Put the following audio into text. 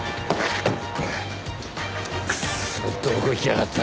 クッソどこ行きやがった！